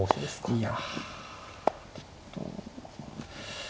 いやちょっと。